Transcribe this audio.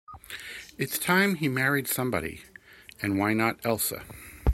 It's time he married somebody, and why not Elsa?